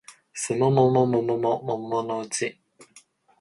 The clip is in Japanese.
季も桃も桃のうち